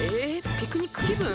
ピクニック気分？